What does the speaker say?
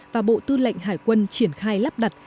và bộ tư lệnh hải quân triển khai lắp đặt